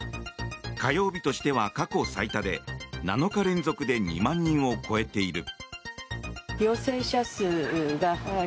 火曜日としては過去最多で７日連続で２万人を超えている。